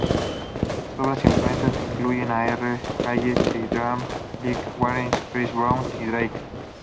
Sus otras influencias incluyen a R. Kelly, The-Dream, Lil Wayne, Chris Brown y Drake.